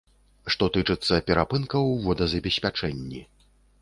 Што тычыцца перапынкаў у водазабеспячэнні.